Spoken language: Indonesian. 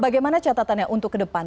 bagaimana catatannya untuk ke depan